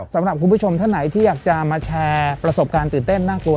สำหรับคุณผู้ชมท่านไหนที่อยากจะมาแชร์ประสบการณ์ตื่นเต้นน่ากลัว